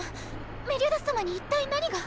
メリオダス様に一体何が？